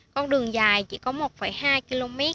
con đường dài chỉ có một hai km